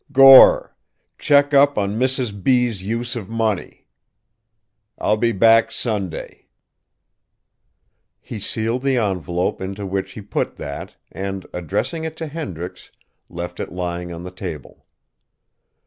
"Gore: check up on Mrs. B.'s use of money. "I'll be back Sunday." He sealed the envelope into which he put that, and, addressing it to Hendricks, left it lying on the table.